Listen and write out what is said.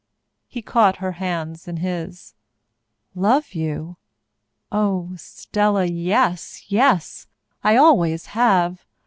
He caught her hands in his. "Love you oh, Estella, yes, yes! I always have.